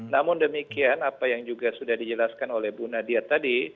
namun demikian apa yang juga sudah dijelaskan oleh bu nadia tadi